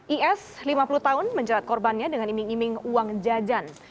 is lima puluh tahun menjerat korbannya dengan iming iming uang jajan